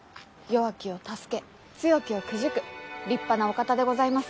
弱きを助け強きをくじく立派なお方でございます。